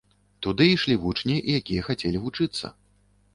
Туды ішлі вучні, якія хацелі вучыцца.